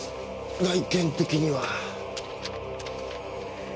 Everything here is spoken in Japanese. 外見的には。